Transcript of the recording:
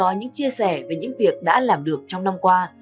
đòi những chia sẻ về những việc đã làm được trong năm qua